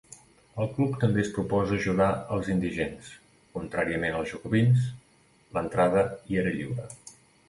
El club també es proposa ajudar els indigents: contràriament als Jacobins, l'entrada hi era lliure.